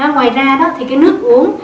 ngoài ra đó thì cái nước uống